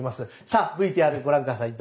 さあＶＴＲご覧下さい。